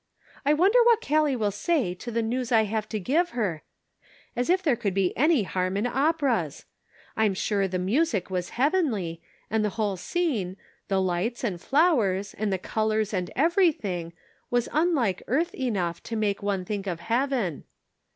I wonder what Callie will say to the news I have to give her, as if there could be any harm in operas ! I'm sure the music was heavenly, and the whole scene, the lights and flowers, and the colors and everything, was unlike earth enough to make one think of heaven.